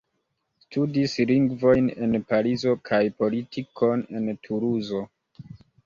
Studis lingvojn en Parizo kaj politikon en Tuluzo.